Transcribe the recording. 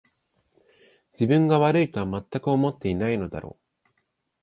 自分が悪いとはまったく思ってないだろう